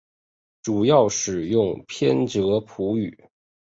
主要使用旁遮普语。